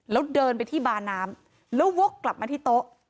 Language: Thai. แล้วเดินไปที่บาน้ำแล้ววกกลับมาที่โต๊ะ